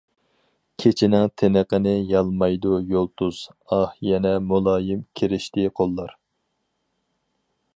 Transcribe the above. كېچىنىڭ تىنىقىنى يالمايدۇ يۇلتۇز، ئاھ، يەنە مۇلايىم كىرىشتى قوللار.